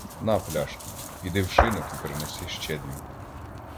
На пляшку, піди в шинок і принеси ще дві.